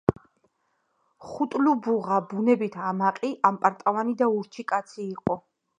ხუტლუბუღა ბუნებით ამაყი, ამპარტავანი და ურჩი კაცი იყო.